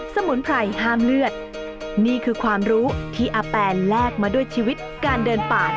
สมุนไพรก็เก็บในใบตอง